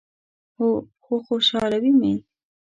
هو، خو خوشحالوي می